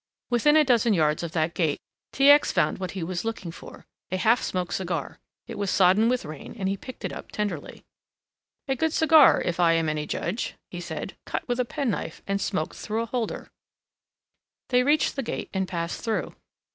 Within a dozen yards of that gate, T. X. found what he had been searching for, a half smoked cigar. It was sodden with rain and he picked it up tenderly. "A good cigar, if I am any judge," he said, "cut with a penknife, and smoked through a holder." They reached the gate and passed through.